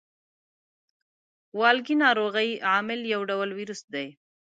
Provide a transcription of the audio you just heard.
والګی ناروغۍ عامل یو ډول ویروس دی.